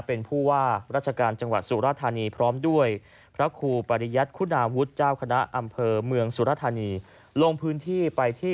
เป็นผู้ว่าราชการจังหวัดสุราธานีพร้อมด้วยพระครูปริยัติคุณาวุฒิเจ้าคณะอำเภอเมืองสุรธานีลงพื้นที่ไปที่